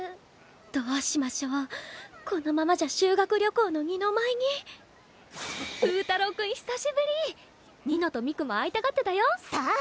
どうしましょうこのままじゃ修学旅行の二の舞にフータロー君久しぶり二乃と三玖も会いたがってたよさあ